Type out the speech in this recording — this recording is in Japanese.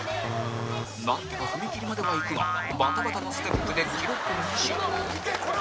なんとか踏み切りまでは行くがバタバタのステップで記録なし